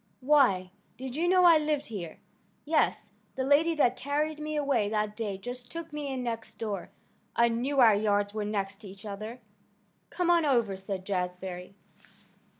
"Why! did you know I lived here?" "Yes. The lady that carried me away that day just took me in next door. I knew our yards were next to each other." "Come on over," said Jazbury.